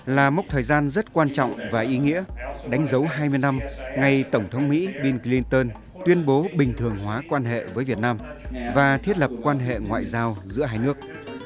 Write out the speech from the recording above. là mốc thời gian rất quan trọng và ý nghĩa đánh dấu hai mươi năm ngày tổng thống mỹ bill clinton tuyên bố bình thường hóa quan hệ với việt nam và thiết lập quan hệ ngoại giao giữa hai nước